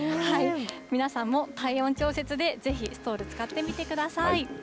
皆さんも体温調節で、ぜひ、ストール使ってみてください。